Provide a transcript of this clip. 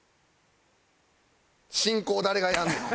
進行誰がやんねん。